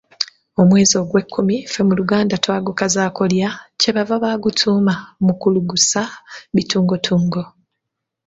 Omwezi ogw’ekkumi ffe mu Luganda twagukazaako lya, Kye baava bagutuuma Mukuluggusabitungotungo.